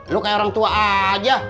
lo kayak orang tua aja